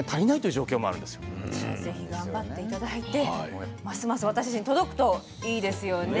じゃあぜひ頑張って頂いてますます私たちに届くといいですよね。